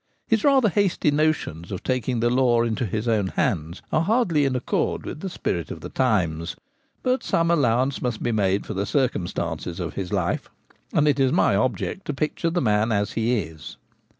His rather hasty notions of taking the law into his own hands are hardly in accord with the spirit of the times ; but some allowance must be made for the circumstances of his life, and it is my object to picture the man as he is.